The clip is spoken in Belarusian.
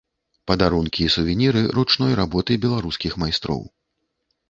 Падарункі і сувеніры ручной работы беларускіх майстроў.